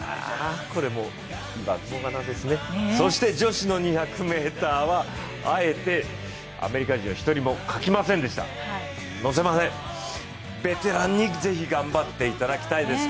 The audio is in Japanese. そして女子の２００ｍはあえてアメリカ人は１人も書きませんでした、載せません、ベテランにぜひ頑張っていただきたいです